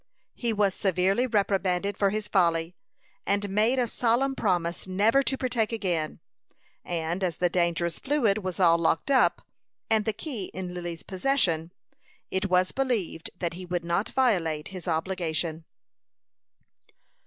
He was severely reprimanded for his folly, and made a solemn promise never to partake again; and as the dangerous fluid was all locked up, and the key in Lily's possession, it was believed that he would not violate his obligation.